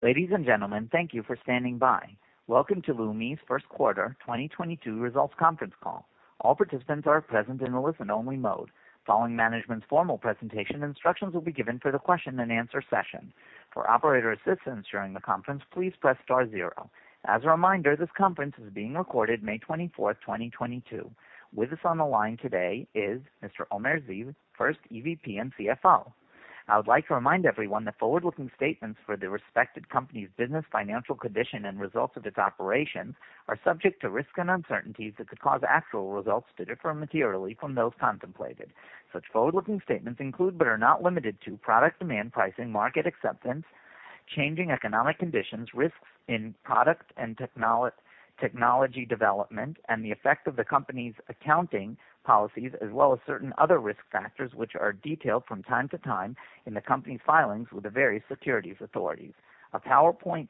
Ladies and gentlemen, thank you for standing by. Welcome to Leumi's first quarter 2022 results conference call. All participants are present in a listen only mode. Following management's formal presentation, instructions will be given for the question and answer session. For operator assistance during the conference, please press star zero. As a reminder, this conference is being recorded May 24, 2022. With us on the line today is Mr. Omer Ziv, First EVP and CFO. I would like to remind everyone that forward-looking statements for the respective company's business, financial condition and results of its operation are subject to risks and uncertainties that could cause actual results to differ materially from those contemplated. Such forward-looking statements include, but are not limited to, product demand pricing, market acceptance, changing economic conditions, risks in products and technology development, and the effect of the company's accounting policies, as well as certain other risk factors which are detailed from time to time in the company's filings with the various securities authorities. A PowerPoint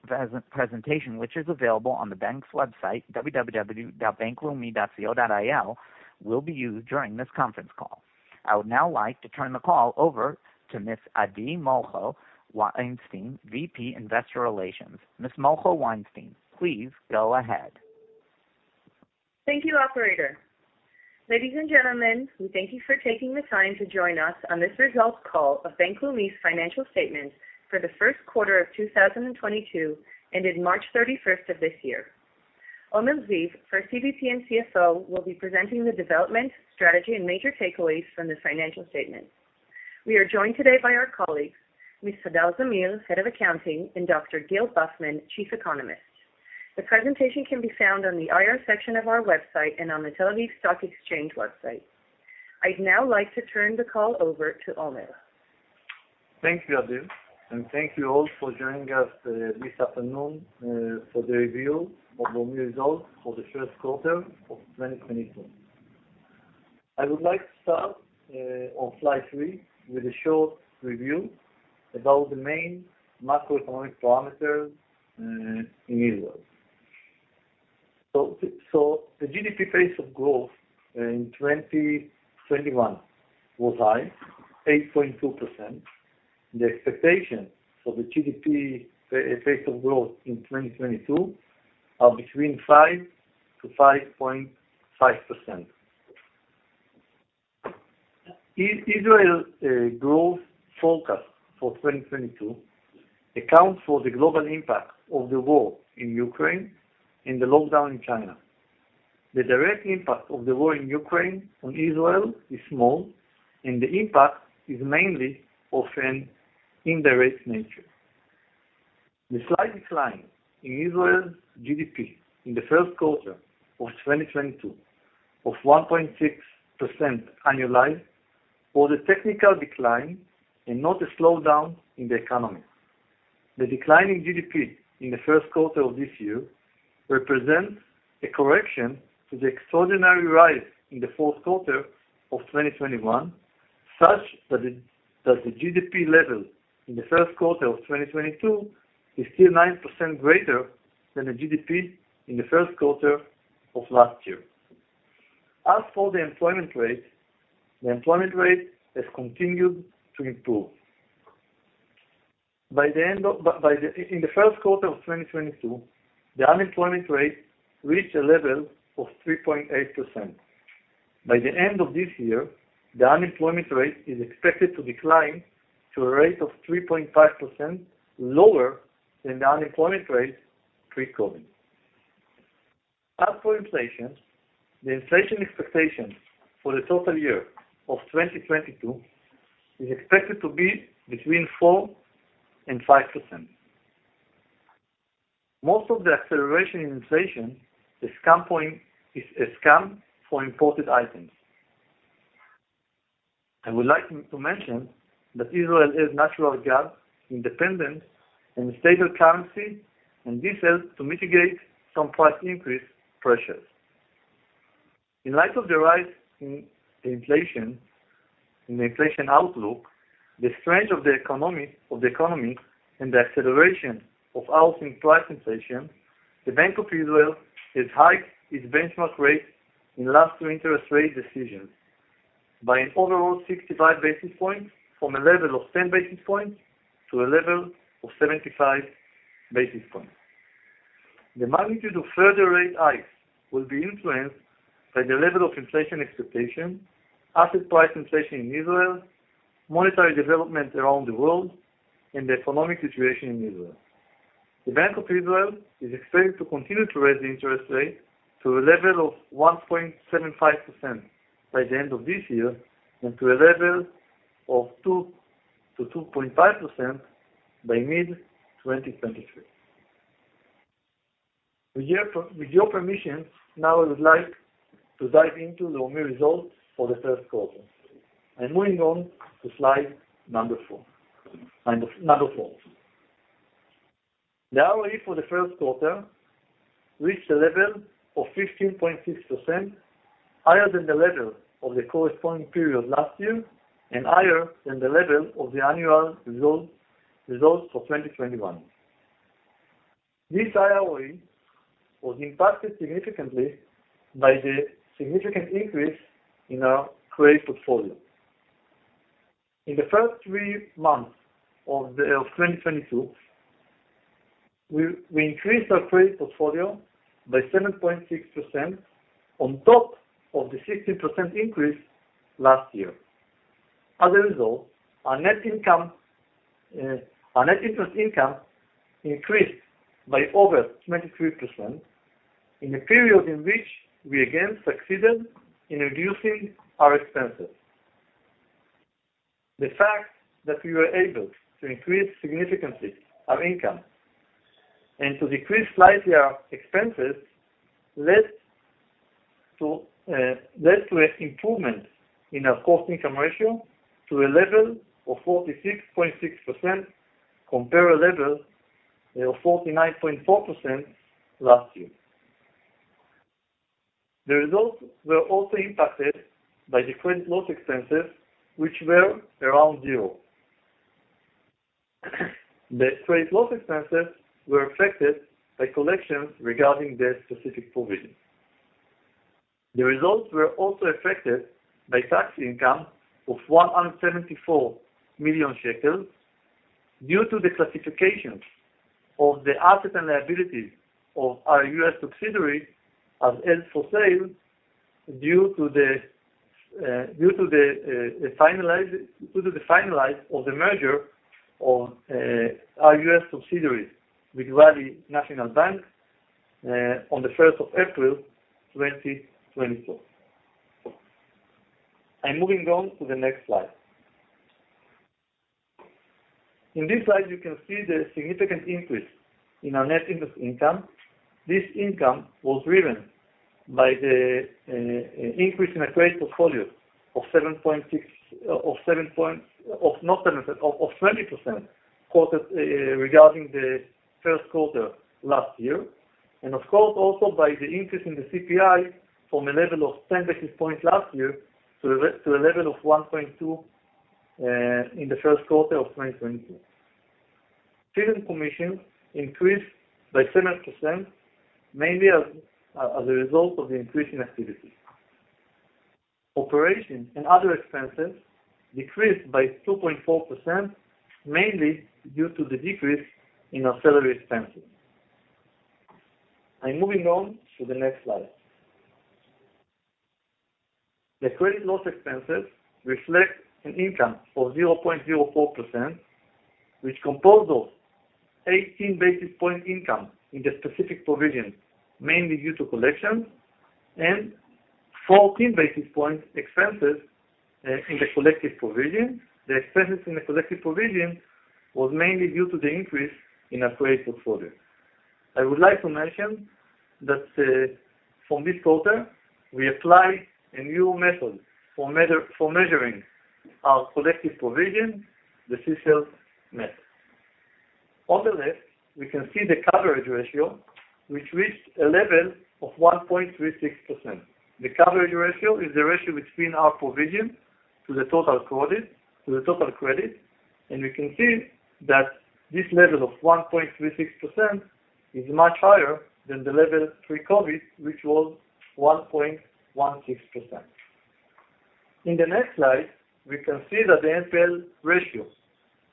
presentation, which is available on the bank's website, www.bankleumi.co.il, will be used during this conference call. I would now like to turn the call over to Miss Adi Molcho Weinstein, VP Investor Relations. Miss Molcho Weinstein, please go ahead. Thank you, operator. Ladies and gentlemen, we thank you for taking the time to join us on this results call of Bank Leumi's financial statement for the first quarter of 2022, ended March 31 of this year. Omer Ziv, First EVP and CFO, will be presenting the development, strategy and major takeaways from the financial statement. We are joined today by our colleagues, Hagit Argov, Head of Accounting, and Dr. Gil Bufman, Chief Economist. The presentation can be found on the IR section of our website and on the Tel Aviv Stock Exchange website. I'd now like to turn the call over to Omer. Thank you, Adi, and thank you all for joining us this afternoon for the review of Leumi results for the first quarter of 2022. I would like to start on slide 3 with a short review about the main macroeconomic parameters in Israel. The GDP pace of growth in 2021 was high, 8.2%. The expectation for the GDP pace of growth in 2022 are between 5-5.5%. Israel's growth forecast for 2022 accounts for the global impact of the war in Ukraine and the lockdown in China. The direct impact of the war in Ukraine on Israel is small, and the impact is mainly of an indirect nature. The slight decline in Israel's GDP in the first quarter of 2022 of 1.6% annualized was a technical decline and not a slowdown in the economy. The decline in GDP in the first quarter of this year represents a correction to the extraordinary rise in the fourth quarter of 2021, such that the GDP level in the first quarter of 2022 is still 9% greater than the GDP in the first quarter of last year. As for the employment rate, the employment rate has continued to improve. In the first quarter of 2022, the unemployment rate reached a level of 3.8%. By the end of this year, the unemployment rate is expected to decline to a rate of 3.5% lower than the unemployment rate pre-COVID. As for inflation, the inflation expectation for the total year of 2022 is expected to be between 4%-5%. Most of the acceleration in inflation is coming from imported items. I would like to mention that Israel has natural gas independence and a stable currency, and this helps to mitigate some price increase pressures. In light of the rise in inflation, the inflation outlook, the strength of the economy and the acceleration of housing price inflation, the Bank of Israel has hiked its benchmark rate in the last two interest rate decisions by an overall 65 basis points from a level of 10 basis points to a level of 75 basis points. The magnitude of further rate hikes will be influenced by the level of inflation expectation, asset price inflation in Israel, monetary development around the world and the economic situation in Israel. The Bank of Israel is expected to continue to raise the interest rate to a level of 1.75% by the end of this year and to a level of 2%-2.5% by mid-2023. With your permission, now I would like to dive into the Leumi results for the first quarter. I'm moving on to slide number four. The ROE for the first quarter reached a level of 15.6%, higher than the level of the corresponding period last year and higher than the level of the annual results for 2021. This higher ROE was impacted significantly by the significant increase in our credit portfolio. In the first three months of 2022, we increased our credit portfolio by 7.6% on top of the 16% increase last year. As a result, our net income, our net interest income increased by over 23% in a period in which we again succeeded in reducing our expenses. The fact that we were able to increase significantly our income and to decrease slightly our expenses led to an improvement in our cost income ratio to a level of 46.6% compared to a level of 49.4% last year. The results were also impacted by the credit loss expenses which were around zero. The credit loss expenses were affected by collections regarding the specific provision. The results were also affected by tax income of 174 million shekels due to the classification of the assets and liabilities of our U.S. subsidiary as held for sale due to the finalization of the merger of our U.S. subsidiaries with Valley National Bank on the first of April 2022. I'm moving on to the next slide. In this slide, you can see the significant increase in our net interest income. This income was driven by the increase in our trade portfolio of seven point six. 20% growth regarding the first quarter last year, and of course, also by the increase in the CPI from a level of 10 basis points last year to a level of one point two in the first quarter of 2022. Fees and commission increased by 7%, mainly as a result of the increase in activity. Operating and other expenses decreased by 2.4%, mainly due to the decrease in our salary expenses. I'm moving on to the next slide. The credit loss expenses reflect an income of 0.04%, which composed of 18 basis points income in the specific provision, mainly due to collections and 14 basis points expenses in the collective provision. The expenses in the collective provision was mainly due to the increase in our trade portfolio. I would like to mention that from this quarter, we apply a new method for measuring our collective provision, the CECL method. On the left, we can see the coverage ratio, which reached a level of 1.36%. The coverage ratio is the ratio between our provision to the total credit, and we can see that this level of 1.36% is much higher than the level pre-COVID, which was 1.16%. In the next slide, we can see that the NPL ratios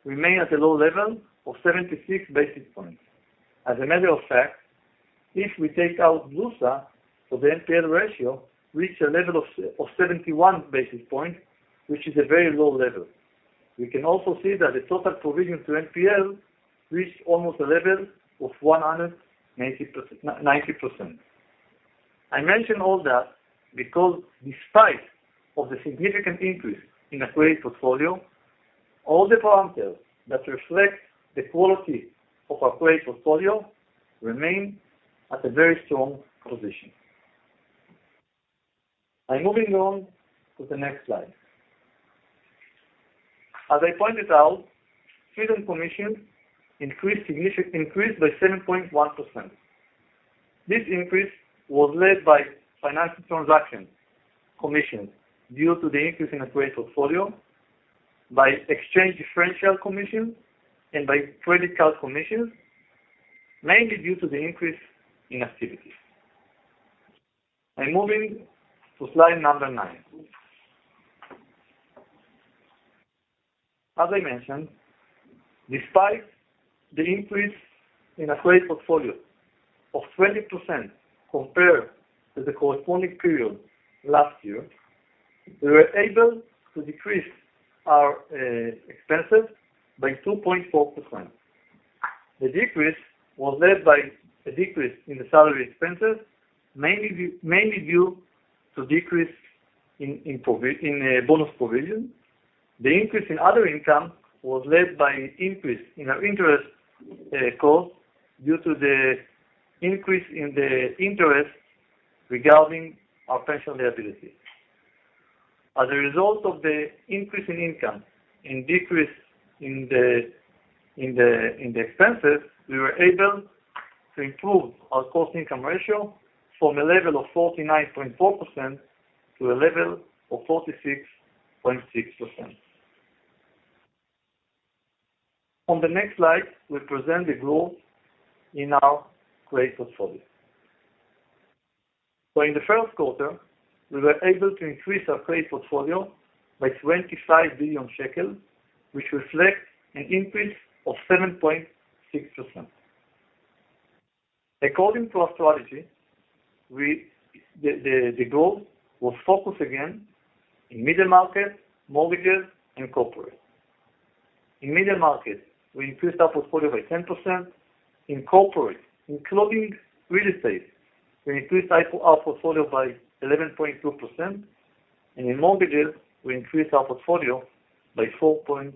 remain at a low level of 76 basis points. As a matter of fact, if we take out Glusker, the NPL ratio reach a level of 71 basis point, which is a very low level. We can also see that the total provision to NPL reached almost a level of 190%. I mention all that because despite of the significant increase in our credit portfolio, all the parameters that reflect the quality of our credit portfolio remain at a very strong position. I'm moving on to the next slide. As I pointed out, fees and commission increased by 7.1%. This increase was led by financial transaction commission due to the increase in our credit portfolio, by exchange differential commission, and by credit card commissions, mainly due to the increase in activities. I'm moving to slide number nine. As I mentioned, despite the increase in our credit portfolio of 20% compared to the corresponding period last year, we were able to decrease our expenses by 2.4%. The decrease was led by a decrease in the salary expenses, mainly due to decrease in bonus provision. The increase in other income was led by increase in our interest cost due to the increase in the interest regarding our pension liability. As a result of the increase in income and decrease in the expenses, we were able to improve our cost-income ratio from a level of 49.4% to a level of 46.6%. On the next slide, we present the growth in our credit portfolio. In the first quarter, we were able to increase our credit portfolio by 25 billion shekels, which reflects an increase of 7.6%. According to our strategy, the goal will focus again in middle market, mortgages, and corporate. In middle market, we increased our portfolio by 10%. In corporate, including real estate, we increased our portfolio by 11.2%, and in mortgages, we increased our portfolio by 4.2%.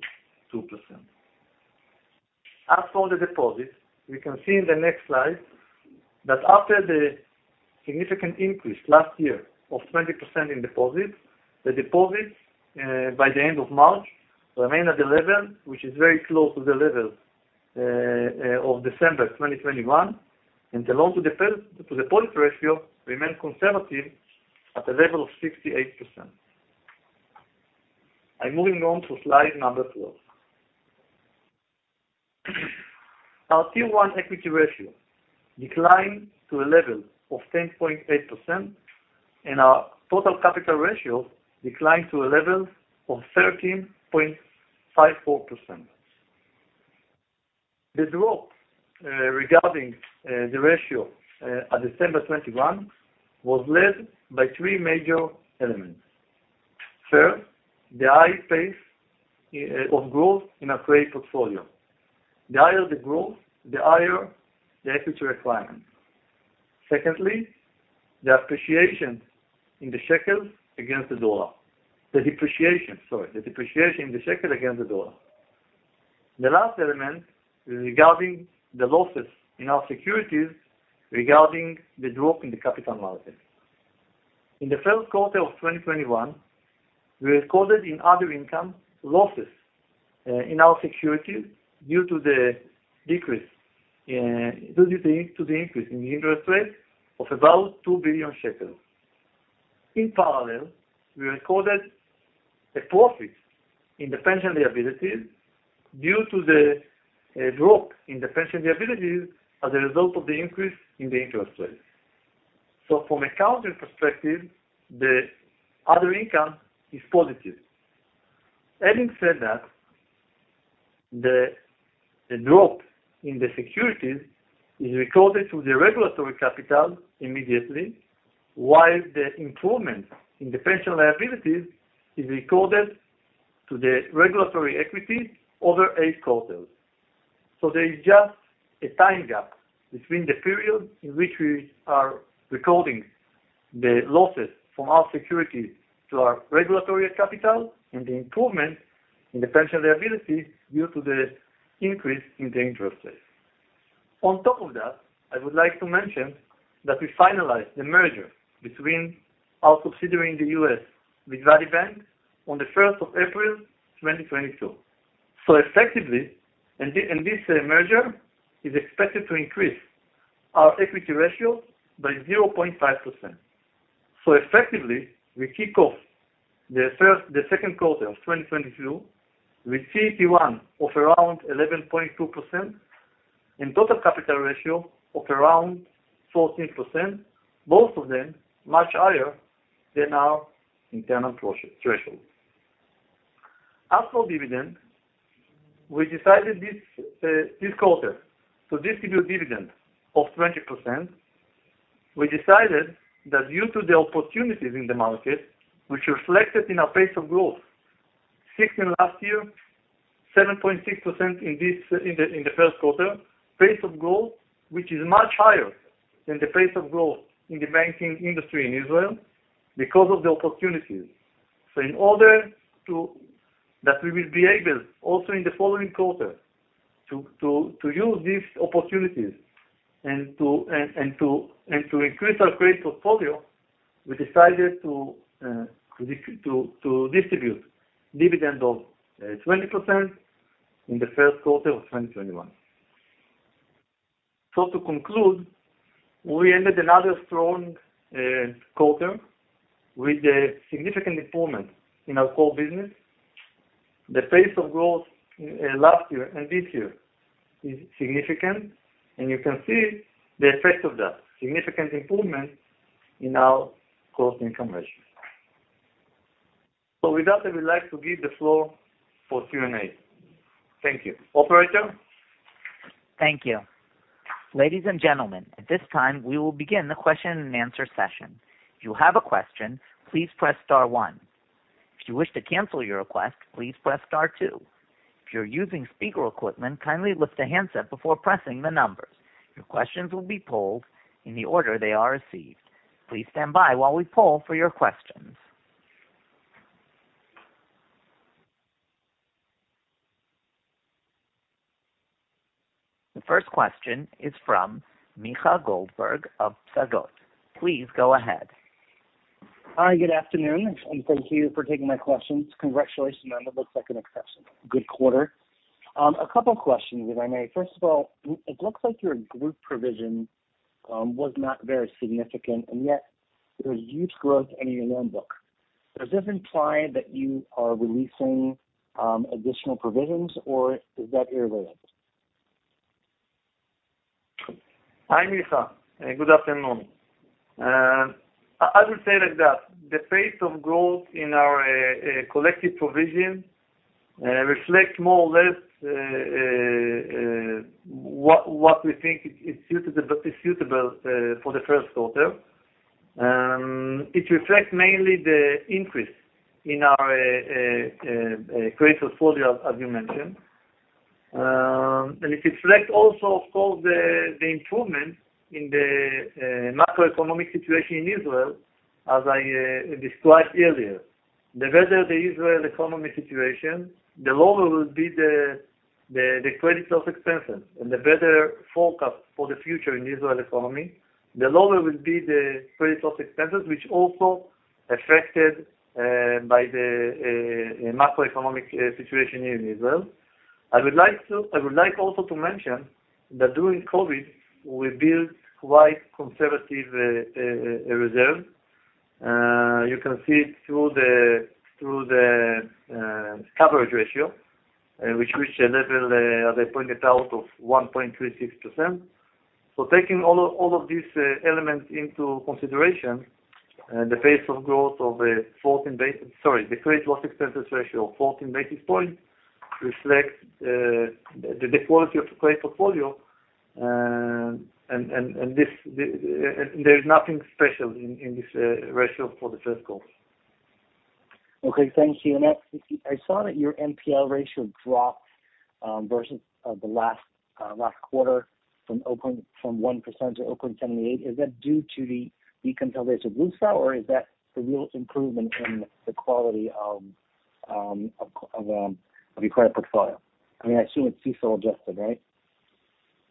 As for the deposits, we can see in the next slide that after the significant increase last year of 20% in deposits, the deposits by the end of March remain at 11%, which is very close to the level of December 2021, and the loan to deposit ratio remains conservative at a level of 68%. I'm moving on to slide number 12. Our Tier 1 equity ratio declined to a level of 10.8%, and our total capital ratio declined to a level of 13.54%. The drop regarding the ratio at December 2021 was led by three major elements. First, the high pace of growth in our trade portfolio. The higher the growth, the higher the equity requirement. Secondly, the depreciation in the shekel against the dollar. The last element is regarding the losses in our securities regarding the drop in the capital market. In the first quarter of 2021, we recorded in other income, losses in our securities due to the increase in the interest rate of about 2 billion shekels. In parallel, we recorded a profit in the pension liabilities due to the drop in the pension liabilities as a result of the increase in the interest rate. From accounting perspective, the other income is positive. Having said that, the drop in the securities is recorded to the regulatory capital immediately, while the improvement in the pension liabilities is recorded to the regulatory equity over eight quarters. There is just a time gap between the period in which we are recording the losses from our securities to our regulatory capital and the improvement in the pension liability due to the increase in the interest rate. On top of that, I would like to mention that we finalized the merger between our subsidiary in the U.S., Leumi USA, on the first of April 2022. Effectively, and this merger is expected to increase our equity ratio by 0.5%. Effectively, we kick off the second quarter of 2022 with CET1 of around 11.2% and total capital ratio of around 14%, both of them much higher than our internal threshold. As for dividend, we decided this quarter to distribute dividend of 20%. We decided that due to the opportunities in the market, which reflected in our pace of growth, 16% last year, 7.6% in the first quarter, pace of growth, which is much higher than the pace of growth in the banking industry in Israel because of the opportunities. In order to... That we will be able also in the following quarter to use these opportunities and to increase our credit portfolio, we decided to distribute dividend of 20% in the first quarter of 2021. To conclude, we ended another strong quarter with a significant improvement in our core business. The pace of growth last year and this year is significant, and you can see the effect of that significant improvement in our cost income ratio. With that, I would like to give the floor for Q&A. Thank you. Operator? Thank you. Ladies and gentlemen, at this time, we will begin the question and answer session. If you have a question, please press star one. If you wish to cancel your request, please press star two. If you're using speaker equipment, kindly lift the handset before pressing the numbers. Your questions will be polled in the order they are received. Please stand by while we poll for your questions. The first question is from Micha Goldberg of Psagot. Please go ahead. Hi, good afternoon, and thank you for taking my questions. Congratulations, and it looks like an exceptional good quarter. A couple questions, if I may. First of all, it looks like your group provision was not very significant, and yet there was huge growth in your loan book. Does this imply that you are releasing additional provisions or is that irrelevant? Hi, Michael. Good afternoon. I would say like that, the pace of growth in our collective provision reflects more or less what we think is suitable for the first quarter. It reflects mainly the increase in our credit portfolio, as you mentioned. It reflects also, of course, the improvement in the macroeconomic situation in Israel as I described earlier. The better the Israel economy situation, the lower will be the credit loss expenses and the better forecast for the future in the Israel economy, the lower will be the credit loss expenses, which also affected by the macroeconomic situation here in Israel. I would like also to mention that during COVID, we built quite conservative reserve. You can see it through the coverage ratio, which level, as I pointed out, of 1.36%. Taking all of these elements into consideration, the credit loss expenses ratio of 14 basis points reflect the quality of credit portfolio, and this, and there's nothing special in this ratio for the first quarter. Okay, thank you. Next, I saw that your NPL ratio dropped versus the last quarter from 1% to 0.78%. Is that due to the deconsolidation of Glusker or is that a real improvement in the quality of your credit portfolio? I mean, I assume it's CECL adjusted, right?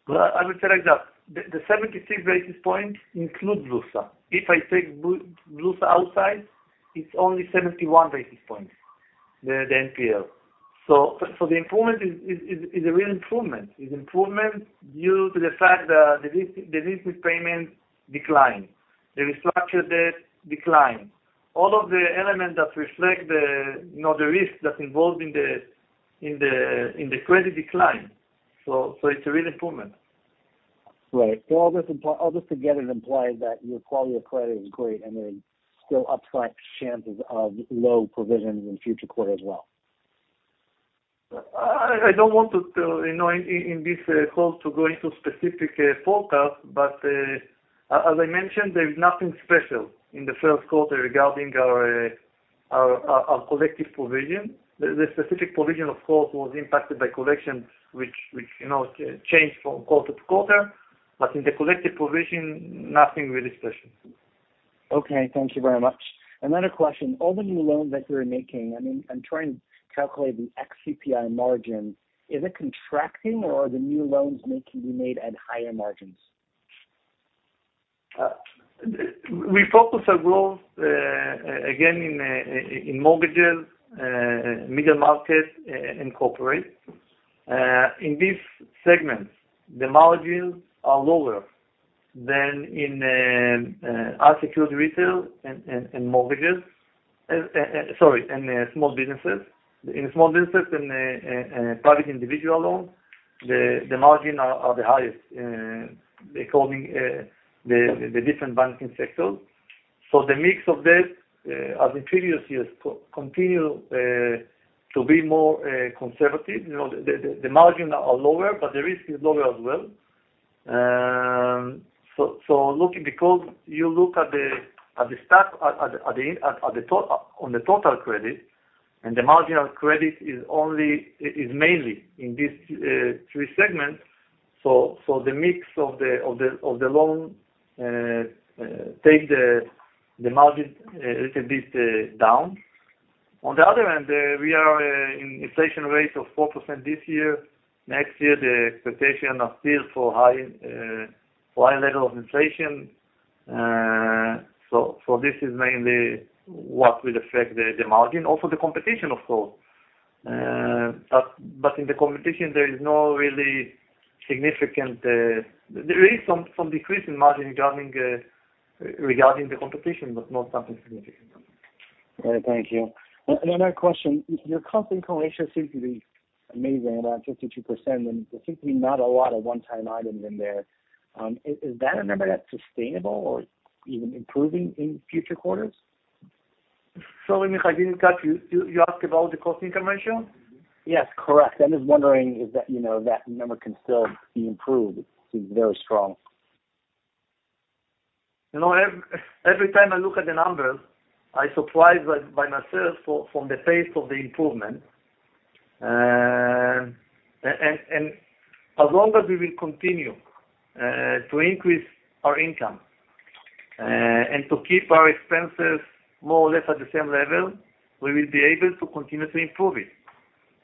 Well, I would say like that, the 76 basis points include Glusker. If I take Glusker outside, it's only 71 basis points, the NPL. The improvement is a real improvement. It's improvement due to the fact that the risk repayment declined. The restructured debt declined. All of the elements that reflect the, you know, the risk that's involved in the credit decline. It's a real improvement. Right. All this together implies that your quality of credit is great, and there's still upside chances of low provisions in future quarters as well. I don't want to, you know, in this call to go into specific forecast, but as I mentioned, there's nothing special in the first quarter regarding our collective provision. The specific provision, of course, was impacted by collections which, you know, change from quarter to quarter. But in the collective provision, nothing really special. Okay, thank you very much. Another question, all the new loans that you're making, I mean, I'm trying to calculate the ex-CPI margin. Is it contracting or are the new loans be made at higher margins? We focus our growth again in mortgages, middle market and corporate. In these segments, the margins are lower than in our secured retail and mortgages. Sorry, and small businesses. In small businesses and private individual loans, the margins are the highest according to the different banking sectors. The mix of this, as in previous years, continue to be more conservative. You know, the margins are lower, but the risk is lower as well. Looking because you look at the total credit, and the marginal credit is mainly in these three segments. The mix of the loan take the margin a little bit down. On the other hand, we are in inflation rate of 4% this year. Next year, the expectation are still for high level of inflation. This is mainly what will affect the margin. Also the competition, of course. In the competition, there is some decrease in margin regarding the competition, but not something significant. All right. Thank you. Another question, your cost income ratio seems to be amazing, about 52%, and there seems to be not a lot of one-time items in there. Is that a number that's sustainable or even improving in future quarters? Sorry, Michael, I didn't catch you. You asked about the cost income ratio? Yes, correct. I'm just wondering if that, you know, that number can still be improved. It seems very strong. You know, every time I look at the numbers, I'm surprised by myself from the pace of the improvement. And as long as we will continue to increase our income and to keep our expenses more or less at the same level, we will be able to continue to improve it.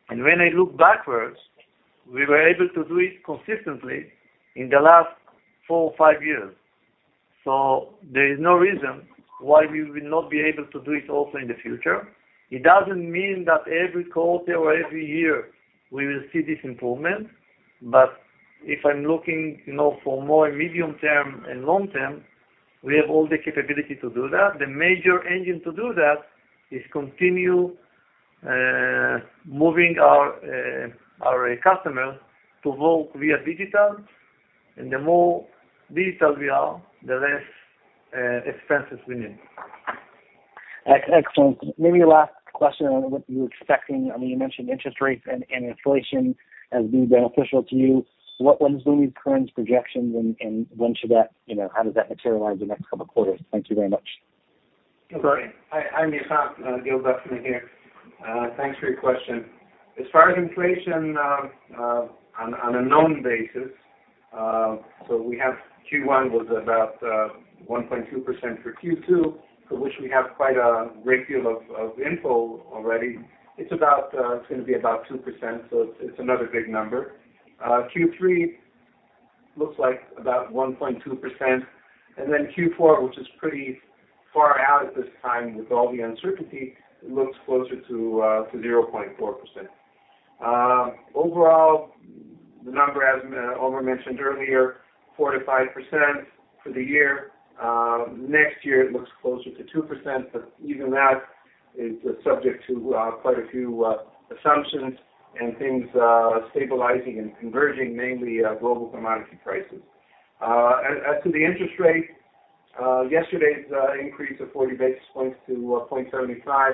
When I look backwards, we were able to do it consistently in the last four or five years. There is no reason why we will not be able to do it also in the future. It doesn't mean that every quarter or every year we will see this improvement, but if I'm looking for more medium-term and long-term, we have all the capability to do that. The major engine to do that is to continue moving our customers to go via digital. The more digital we are, the less expenses we need. Excellent. Maybe last question on what you're expecting. I mean, you mentioned interest rates and inflation as being beneficial to you. What is Leumi's current projections, and when should that, you know, how does that materialize in the next couple of quarters? Thank you very much. Sorry. Hi, Micha. Gil Bufman here. Thanks for your question. As far as inflation, on a known basis, we have Q1 was about 1.2% for Q2, for which we have quite a great deal of info already. It's about, it's gonna be about 2%, so it's another big number. Q3 looks like about 1.2%. Then Q4, which is pretty far out at this time with all the uncertainty, looks closer to 0.4%. Overall, the number, as Omer Ziv mentioned earlier, 4%-5% for the year. Next year, it looks closer to 2%, but even that is subject to quite a few assumptions and things stabilizing and converging, mainly global commodity prices. As to the interest rate, yesterday's increase of 40 basis points to 0.75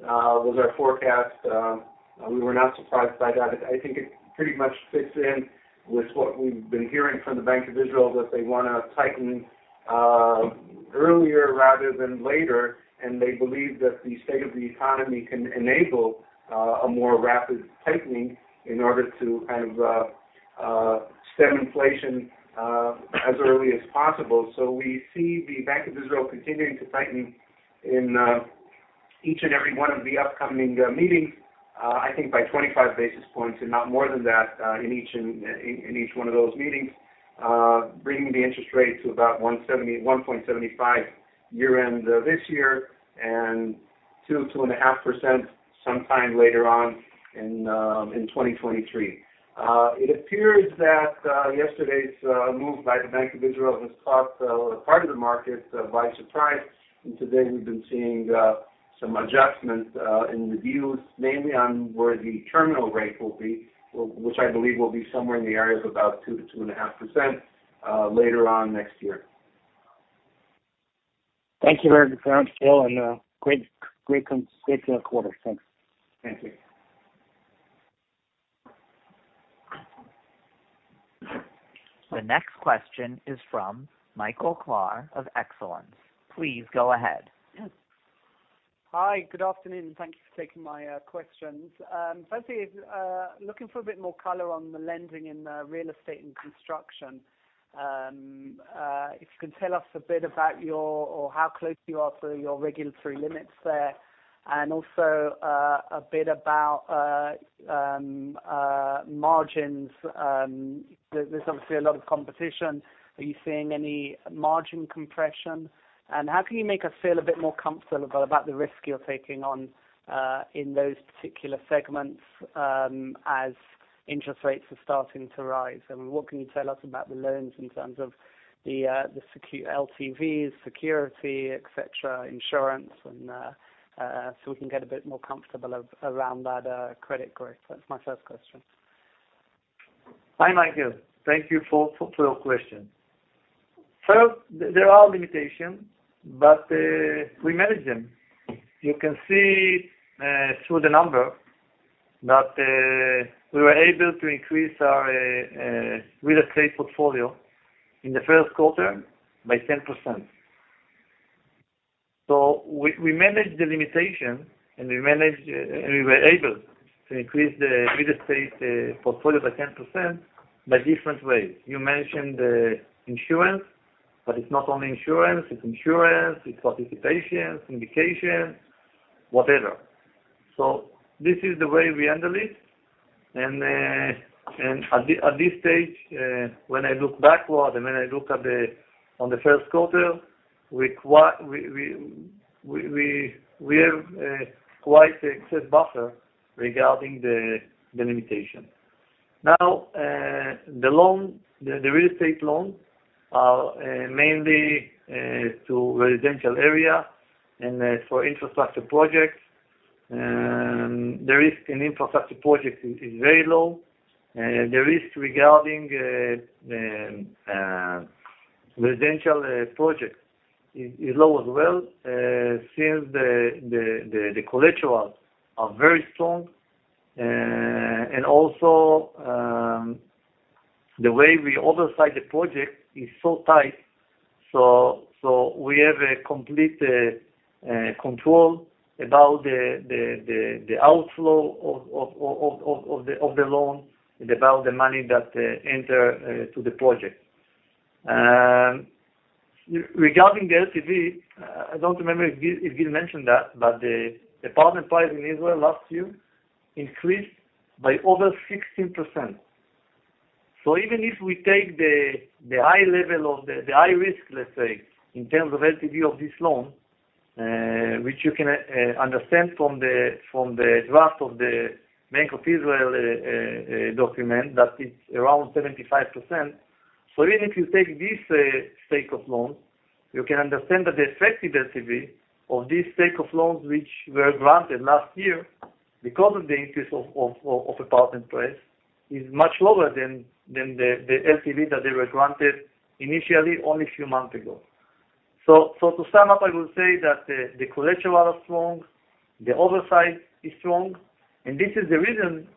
was our forecast. We were not surprised by that. I think it pretty much fits in with what we've been hearing from the Bank of Israel, that they want to tighten earlier rather than later, and they believe that the state of the economy can enable a more rapid tightening in order to kind of stem inflation as early as possible. We see the Bank of Israel continuing to tighten in each and every one of the upcoming meetings, I think by 25 basis points and not more than that, in each one of those meetings, bringing the interest rate to about 1.75 year-end this year and 2.5% sometime later on in 2023. It appears that yesterday's move by the Bank of Israel has caught part of the market by surprise. Today we've been seeing some adjustments in the views, mainly on where the terminal rate will be, which I believe will be somewhere in the areas about 2-2.5% later on next year. Thank you very much, Gil, and great quarter. Thanks. Thank you. The next question is from Michael Klahr of Excellence. Please go ahead. Hi. Good afternoon, and thank you for taking my questions. Firstly, looking for a bit more color on the lending in real estate and construction. If you can tell us a bit about your or how close you are to your regulatory limits there, and also a bit about margins. There, there's obviously a lot of competition. Are you seeing any margin compression? How can you make us feel a bit more comfortable about the risk you're taking on in those particular segments as interest rates are starting to rise? What can you tell us about the loans in terms of the LTVs, security, et cetera, insurance, and so we can get a bit more comfortable around that credit growth? That's my first question. Hi, Michael. Thank you for your question. First, there are limitations, but we manage them. You can see through the number that we were able to increase our real estate portfolio in the first quarter by 10%. We managed the limitation, and we were able to increase the real estate portfolio by 10% by different ways. You mentioned insurance, but it's not only insurance. It's insurance, it's participation, syndication, whatever. This is the way we handle it. At this stage, when I look backward, and when I look at the first quarter, we have quite a success buffer regarding the limitation. Now, the real estate loans are mainly to residential area and for infrastructure projects. The risk in infrastructure projects is very low. The risk regarding residential projects is low as well, since the collaterals are very strong. Also, the way we oversee the project is so tight, so we have a complete control about the outflow of the loan and about the money that enter to the project. Regarding the LTV, I don't remember if Gil mentioned that, but the apartment price in Israel last year increased by over 16%. Even if we take the high level of the The high risk, let's say, in terms of LTV of this loan, which you can understand from the draft of the Bank of Israel document that it's around 75%. So even if you take this stake of loans, you can understand that the effective LTV of this stake of loans which were granted last year because of the increase of apartment price is much lower than the LTV that they were granted initially only a few months ago. So to sum up, I will say that the collateral are strong, the oversight is strong, and this is the reason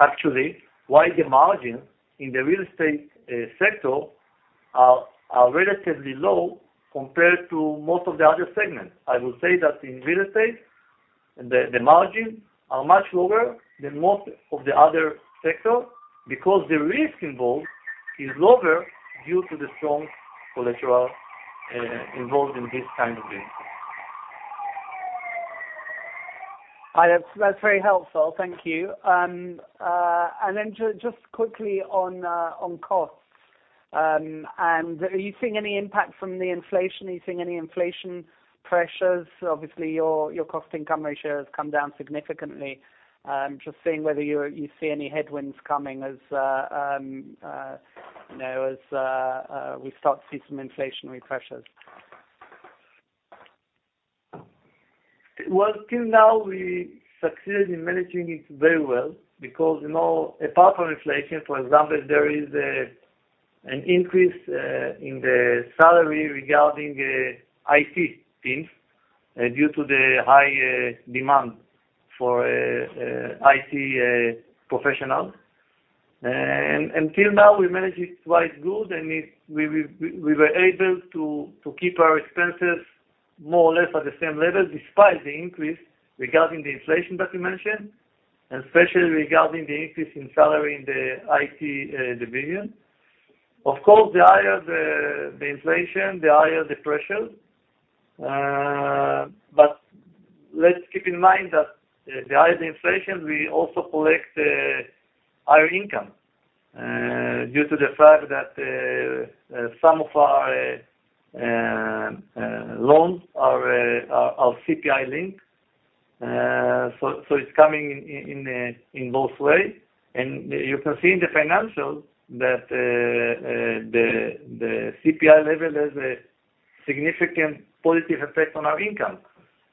actually why the margin in the real estate sector are relatively low compared to most of the other segments. I will say that in real estate, the margin are much lower than most of the other sector because the risk involved is lower due to the strong collateral involved in this kind of business. Hi. That's very helpful. Thank you. Just quickly on costs. Are you seeing any impact from the inflation? Are you seeing any inflation pressures? Obviously, your cost income ratio has come down significantly. I'm just seeing whether you see any headwinds coming as you know, as we start to see some inflationary pressures. Well, till now we succeeded in managing it very well because, you know, apart from inflation, for example, there is an increase in the salary regarding IT teams due to the high demand for IT professionals. Until now, we managed it quite good, and we were able to keep our expenses more or less at the same level despite the increase regarding the inflation that you mentioned, and especially regarding the increase in salary in the IT division. Of course, the higher the inflation, the higher the pressure. Let's keep in mind that the higher the inflation, we also collect higher income due to the fact that some of our loans are CPI-linked. It's coming in both ways. You can see in the financials that the CPI level has a significant positive effect on our income.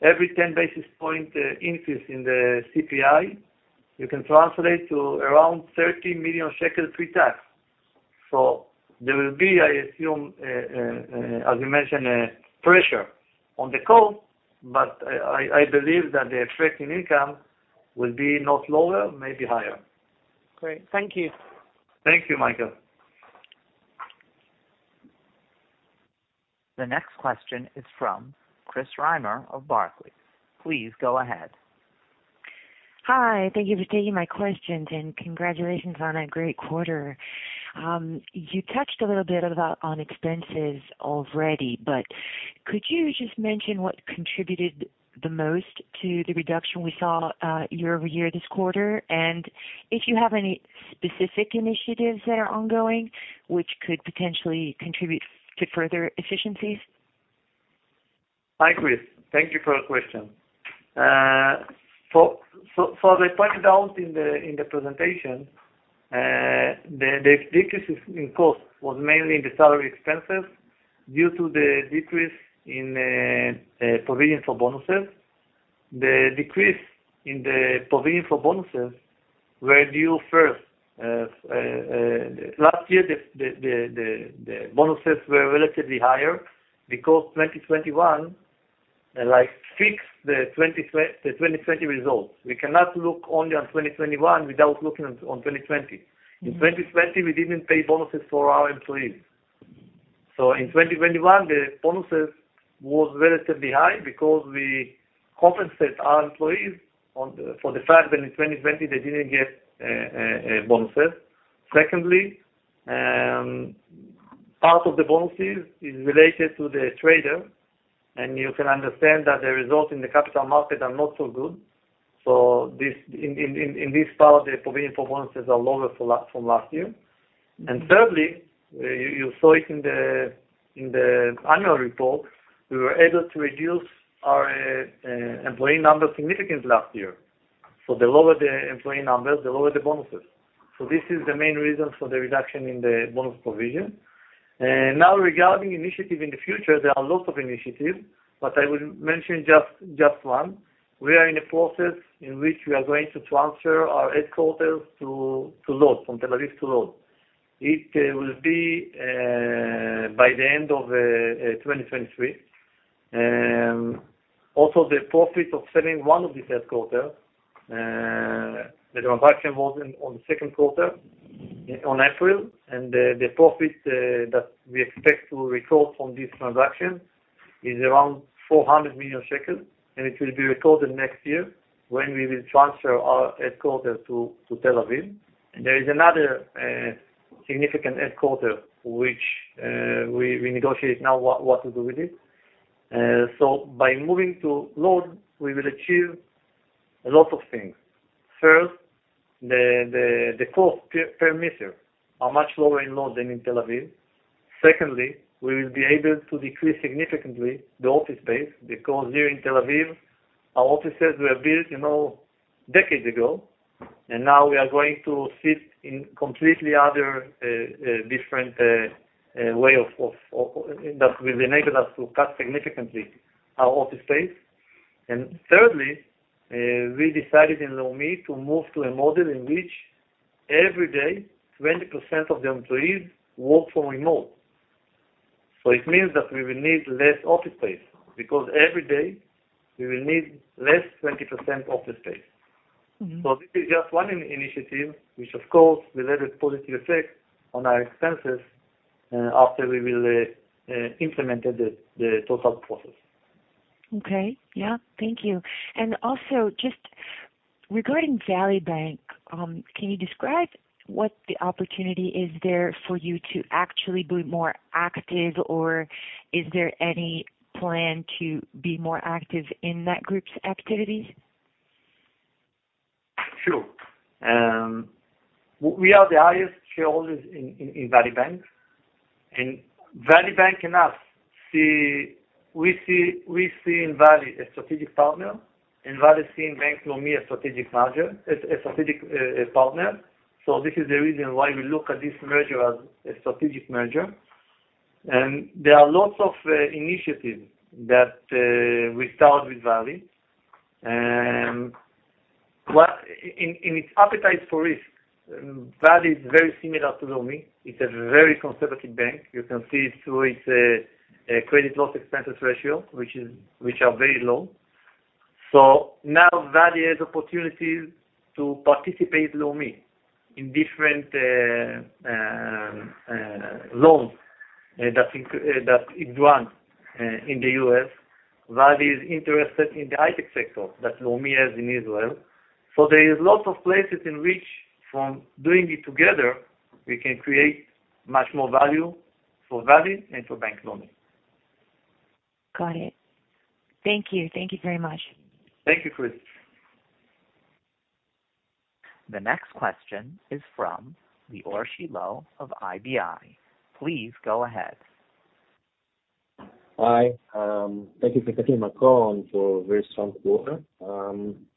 Every 10 basis point increase in the CPI, you can translate to around 30 million shekels pre-tax. There will be, I assume, as you mentioned, a pressure on the cost, but I believe that the effect in income will be not lower, maybe higher. Great. Thank you. Thank you, Michael. The next question is from Chris cant of Barclays. Please go ahead. Hi. Thank you for taking my questions, and congratulations on a great quarter. You touched a little bit about on expenses already, but could you just mention what contributed the most to the reduction we saw, year-over-year this quarter, and if you have any specific initiatives that are ongoing which could potentially contribute to further efficiencies? Hi, Chris. Thank you for the question. For the points outlined in the presentation, the decreases in cost was mainly in the salary expenses due to the decrease in provision for bonuses. The decrease in the provision for bonuses were due, first, last year, the bonuses were relatively higher because 2021, like, fixed the 2020 results. We cannot look only on 2021 without looking on 2020. In 2020, we didn't pay bonuses for our employees. In 2021, the bonuses was relatively high because we compensate our employees for the fact that in 2020 they didn't get bonuses. Secondly, part of the bonuses is related to the trader, and you can understand that the results in the capital market are not so good. This, in this part, the provision for bonuses are lower from last year. Thirdly, you saw it in the annual report, we were able to reduce our employee number significantly last year. The lower the employee numbers, the lower the bonuses. This is the main reason for the reduction in the bonus provision. Now, regarding initiatives in the future, there are lots of initiatives, but I will mention just one. We are in a process in which we are going to transfer our headquarters to Lod, from Tel Aviv to Lod. It will be by the end of 2023. Also the profit of selling one of these headquarters, the transaction was in the second quarter, in April, and the profit that we expect to record from this transaction is around 400 million shekels, and it will be recorded next year when we will transfer our headquarters to Tel Aviv. There is another significant headquarters which we negotiate now what to do with it. By moving to Lod, we will achieve a lot of things. First, the cost per meter are much lower in Lod than in Tel Aviv. Secondly, we will be able to decrease significantly the office space because here in Tel Aviv, our offices were built, you know, decades ago, and now we are going to sit in completely different way of that will enable us to cut significantly our office space. Thirdly, we decided in Leumi to move to a model in which every day 20% of the employees work from remote. It means that we will need less office space because every day we will need less 20% office space. Mm-hmm. This is just one initiative, which of course will have a positive effect on our expenses, after we will implemented the total process. Okay. Yeah. Thank you. Also just regarding Valley Bank, can you describe what the opportunity is there for you to actually be more active or is there any plan to be more active in that group's activities? Sure. We are the highest shareholders in Valley National Bank. Valley National Bank and us see. We see in Valley a strategic partner, and Valley see in Bank Leumi a strategic merger, a strategic partner. This is the reason why we look at this merger as a strategic merger. There are lots of initiatives that we start with Valley. In its appetite for risk, Valley is very similar to Leumi. It's a very conservative bank. You can see it through its credit loss expenses ratio, which is very low. Now Valley has opportunities to participate Leumi in different loans that it runs in the U.S. Valley is interested in the high-tech sector that Leumi has in Israel. There is lots of places in which from doing it together, we can create much more value for Valley and for Bank Leumi. Got it. Thank you. Thank you very much. Thank you, Chris. The next question is from Lior Shilo of IBI. Please go ahead. Hi. Thank you for taking my call and for very strong quarter.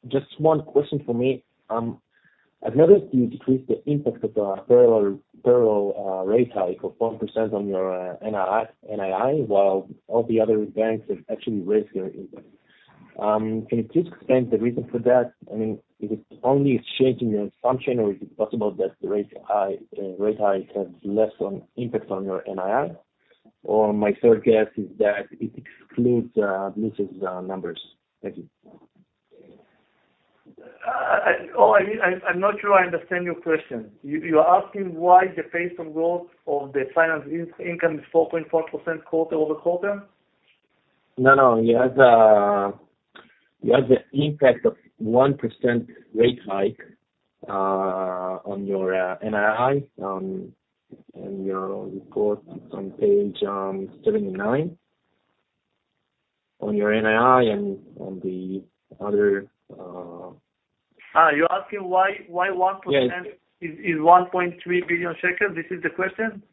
Just one question for me. I've noticed you decreased the impact of the federal rate hike of 4% on your NII, while all the other banks have actually raised their impact. Can you please explain the reason for that? I mean, is it only a change in your assumption or is it possible that the rate hike has less of an impact on your NII? Or my third guess is that it excludes uncertain numbers. Thank you. I mean, I'm not sure I understand your question. You are asking why the growth in financial income is 4.4% QoQ? No, no. You have the impact of 1% rate hike on your NII in your report on page 79. On your NII and on the other. You're asking why 1%. Yes. Is 1.3 billion shekels, this is the question?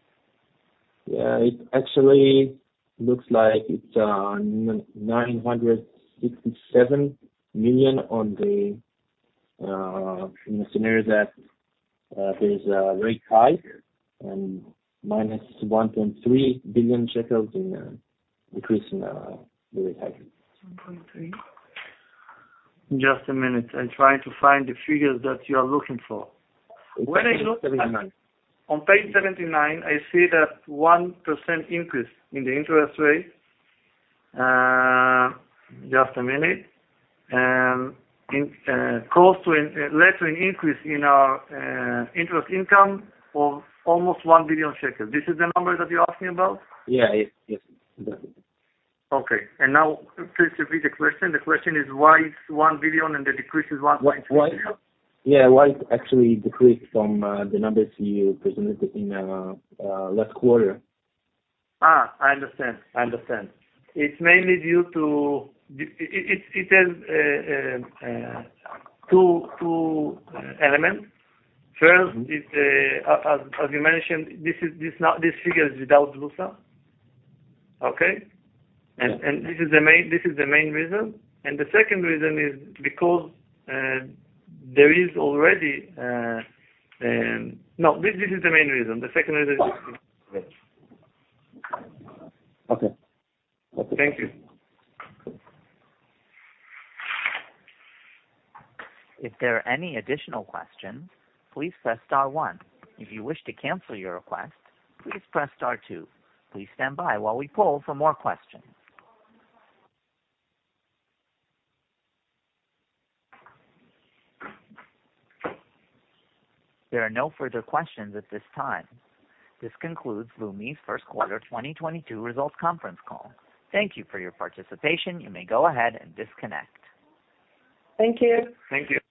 Yeah. It actually looks like it's 967 million in the scenario that there is a rate hike and -1.3 billion shekels in increase in the rate hike. 1.3. Just a minute. I'm trying to find the figures that you are looking for. It's on page 79. When I look at on page 79, I see that 1% increase in the interest rate led to an increase in our interest income of almost 1 billion shekels. This is the number that you're asking about? Yeah. Yes. Definitely. Okay. Now please repeat the question. The question is why it's 1 billion and the decrease is 1.3 billion? Why it actually decreased from the numbers you presented in last quarter? I understand. I understand. It's mainly due to two elements. First is, as you mentioned, this figure is without Leumi USA. Okay? Yeah. This is the main reason. No, this is the main reason. The second reason is. Okay. Okay. Thank you. If there are any additional questions, please press star one. If you wish to cancel your request, please press star two. Please stand by while we poll for more questions. There are no further questions at this time. This concludes Leumi's first quarter 2022 results conference call. Thank you for your participation. You may go ahead and disconnect. Thank you. Thank you.